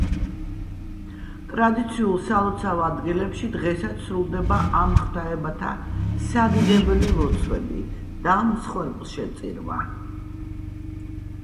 ტრადიციულ სალოცავ ადგილებში დღესაც სრულდება ამ ღვთაებათა სადიდებელი ლოცვები და მსხვერპლშეწირვა.